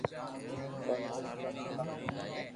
پر ھون ڪرو ڪاو